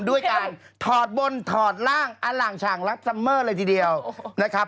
ด้วยการถอดบนถอดร่างอล่างฉ่างรับซัมเมอร์เลยทีเดียวนะครับ